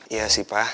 iya sih pa